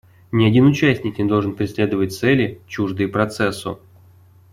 Ни один участник не должен преследовать цели, чуждые Процессу.